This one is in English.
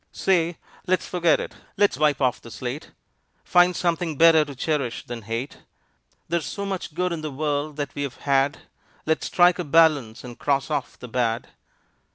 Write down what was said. Say! Let's forget it! Let's wipe off the slate, Find something better to cherish than hate. There's so much good in the world that we've had, Let's strike a balance and cross off the bad.